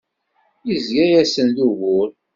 Izga-asen d ugur.